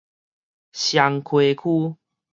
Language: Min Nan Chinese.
雙溪區